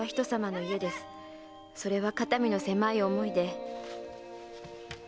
それは肩身の狭い思いで。